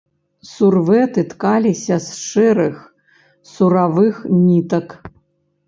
Сурвэты ткаліся з шэрых суравых нітак.